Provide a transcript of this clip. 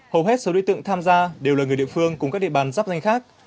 hầu hết số đối tượng tham gia đều là người địa phương cùng các địa bàn dắp danh khác